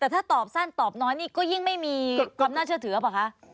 แต่ถ้าตอบสั้นตอบน้อยนี่ก็ยิ่งไม่มีความน่าเชื่อถือหรือเปล่าคะ